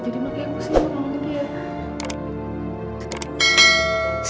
jadi makanya aku simpan ngomongnya